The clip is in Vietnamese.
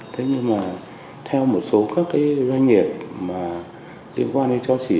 thế nhưng mà theo một số các doanh nghiệp liên quan đến cho xỉ